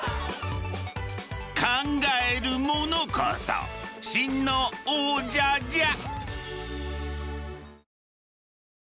考える者こそ真の王者じゃ。